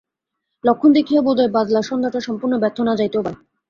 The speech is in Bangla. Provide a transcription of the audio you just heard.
লক্ষণ দেখিয়া বোধ হয় বাদলার সন্ধ্যাটা সম্পূর্ণ ব্যর্থ না যাইতেও পারে।